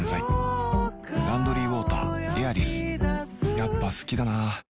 やっぱ好きだな